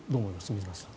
水町さん。